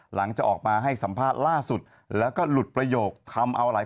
จะออกมาให้สัมภาษณ์ล่าสุดแล้วก็หลุดประโยคทำเอาหลาย